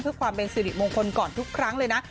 เพื่อความเป็นสิริมงคลก่อนทุกครั้งเลยนะ